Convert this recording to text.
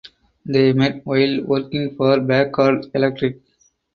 They met while working for Packard Electric.